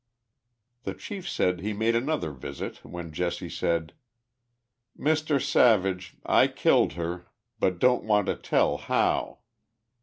The Chief said he made another visit ■when Jesse said :" Mr. Savage, I killed her but don't want tell how."